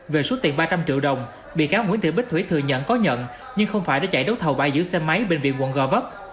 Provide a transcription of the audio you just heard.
về số tiền ba trăm linh triệu đồng bị cáo nguyễn thị bích thủy thừa nhận có nhận nhưng không phải đã chạy đấu thầu bãi giữ xe máy bệnh viện quận gò vấp